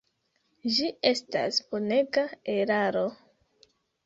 Ĝi estas bonega eraro.